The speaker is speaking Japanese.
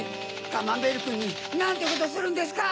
カマンベールくんになんてことするんですか！